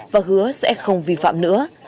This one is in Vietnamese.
và hứa sẽ không vi phạm nữa